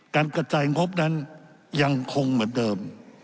การกระจายงบนั้นยังคงเหมือนเดิม